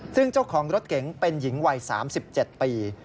ซึ่งเจ้าของรถเก๋งเป็นหญิงวัย๓๗ปี